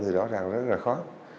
thì rõ ràng rất là khó